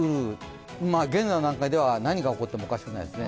現段階では、何が起こってもおかしくないですね。